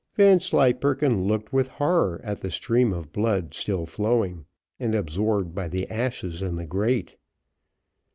Vanslyperken looked with horror at the stream of blood still flowing, and absorbed by the ashes in the grate.